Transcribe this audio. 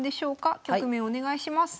局面お願いします。